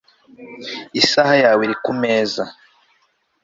Isaha yawe iri kumeza